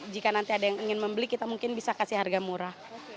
jika nanti ada yang ingin membeli kita mungkin bisa kasih harga murah